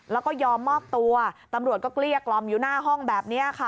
แล้วก็ยอมมอบตัวตำรวจก็เกลี้ยกล่อมอยู่หน้าห้องแบบนี้ค่ะ